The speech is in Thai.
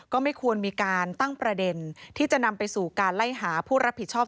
ก็ไม่ควรมีการตั้งประเด็นที่จะนำไปสู่การไล่หาผู้รับผิดชอบ